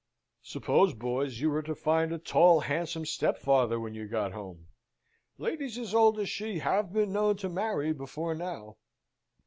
Suppose, boys, you were to find a tall, handsome stepfather when you got home? Ladies as old as she have been known to marry before now."